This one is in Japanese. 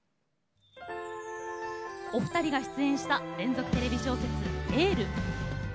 お二人が出演した連続テレビ小説「エール」。